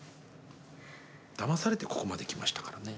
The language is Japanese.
だまされてここまで来ましたからね。